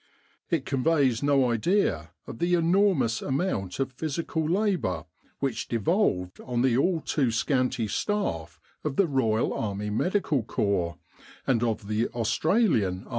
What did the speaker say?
It conveys no idea of the enormous amount of physical labour which devolved on the all too scanty staff of the Royal Army Medical Corps and of the Australian A.M.